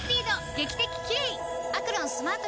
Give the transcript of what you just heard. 劇的キレイ！